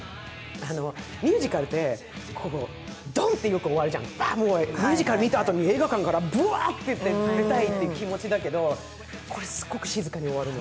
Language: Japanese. ミュージカルって、ドンってよく終わるじゃん、ミュージカル見たあとに、映画館からブワーッと出たいって気持ちだけど、これ、すっごく静かに終わるの。